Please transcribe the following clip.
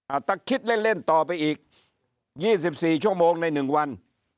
อัตราการคิดเล่นต่อไปอีก๒๔ชั่วโมงใน๑วัน